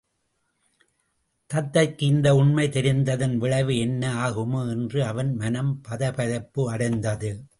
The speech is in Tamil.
தத்தைக்கு இந்த உண்மை தெரிந்ததன் விளைவு என்ன ஆகுமோ? என்று அவன் மனம் பதைபதைப்பு அடைந்தது.